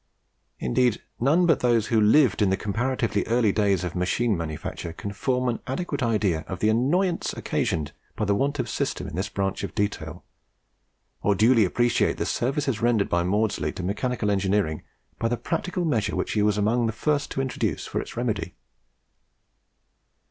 Indeed none but those who lived in the comparatively early days of machine manufacture can form an adequate idea of the annoyance occasioned by the want of system in this branch of detail, or duly appreciate the services rendered by Maudslay to mechanical engineering by the practical measures which he was among the first to introduce for its remedy.